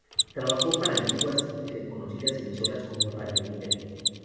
Trabajó para antiguas y reconocidas emisoras como Radio Mitre.